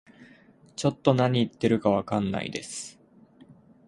ちょっと何言ってるかわかんないです